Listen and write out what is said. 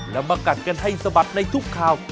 แล้วมากัดกันให้สะบัดในทุกข่าว